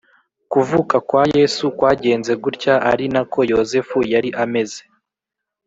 Kuvuka kwa yesu kwagenze gutya ari nako yozefu yari ameze